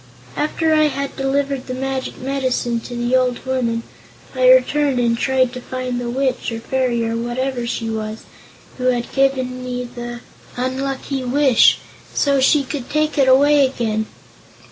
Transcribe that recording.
"After I had delivered the magic medicine to the old woman, I returned and tried to find the witch, or fairy, or whatever she was, who had given me the unlucky wish, so she could take it away again.